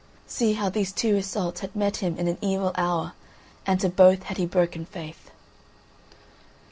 See how these two Iseults had met him in an evil hour, and to both had he broken faith!